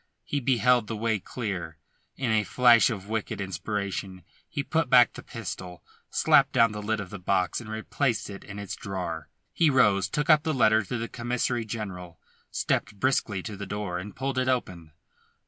He beheld the way clear, in a flash of wicked inspiration. He put back the pistol, slapped down the lid of the box and replaced it in its drawer. He rose, took up the letter to the Commissary general, stepped briskly to the door and pulled it open.